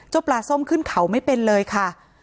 ปลาส้มขึ้นเขาไม่เป็นเลยค่ะ